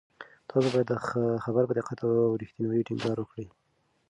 تاسو باید د خبر په دقت او رښتینولۍ ټینګار وکړئ.